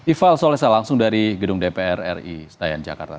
ival solesa langsung dari gedung dpr ri senayan jakarta